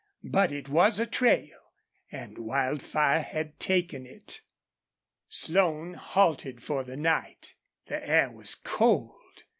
But it was a trail, and Wildfire had taken it. Slone halted for the night. The air was cold.